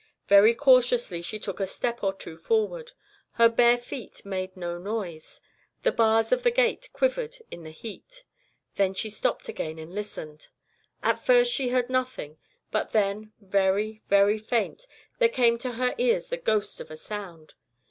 "Very cautiously she took a step or two forward. Her bare feet made no noise. The bars of the gate quivered in the heat. Then she stopped again and listened. At first she heard nothing, but then, very, very faint, there came to her ears the ghost of a sound.